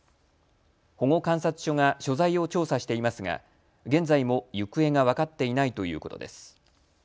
保護観察所が所在を調査していますが現在も行方が分かっていないということです。